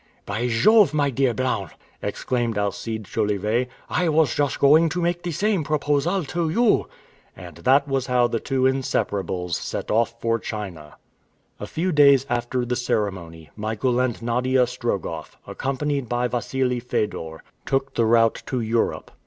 "By Jove, my dear Blount!" exclaimed Alcide Jolivet, "I was just going to make the same proposal to you." And that was how the two inseparables set off for China. A few days after the ceremony, Michael and Nadia Strogoff, accompanied by Wassili Fedor, took the route to Europe.